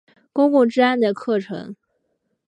公共治安的课程。